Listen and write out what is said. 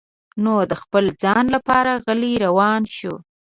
نو د خپل ځان لپاره غلی روان شو.